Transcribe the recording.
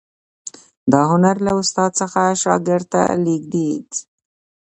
دا هنر له استاد څخه شاګرد ته لیږدید.